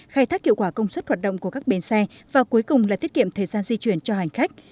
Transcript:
khai thác hiệu quả công suất hoạt động của các bến xe và cuối cùng là tiết kiệm thời gian di chuyển cho hành khách